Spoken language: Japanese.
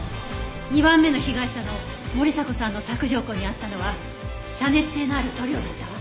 ２番目の被害者の森迫さんの索条痕にあったのは遮熱性のある塗料だったわ。